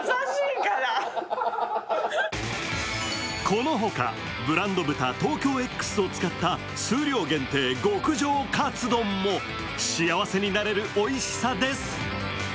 このほか、ブランド豚ＴＯＫＹＯＸを使った数量限定、極上カツ丼も幸せになれるおいしさです。